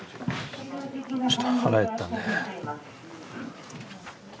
ちょっと腹減ったんでね。